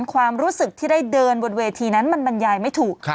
ความรู้สึกที่ได้เดินบนเวทีนั้นมันบรรยายไม่ถูก